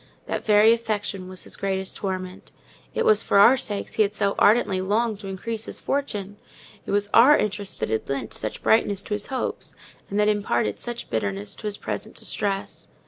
That very affection was his greatest torment: it was for our sakes he had so ardently longed to increase his fortune—it was our interest that had lent such brightness to his hopes, and that imparted such bitterness to his present distress.